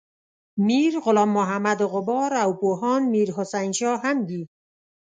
میر غلام محمد غبار او پوهاند میر حسین شاه هم دي.